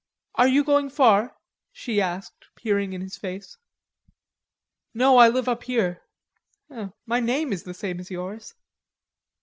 "Are you going far?" she asked peering in his face. "No, I live up here.... My name is the same as yours."